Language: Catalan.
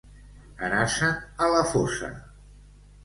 Anar-se'n a la fossa.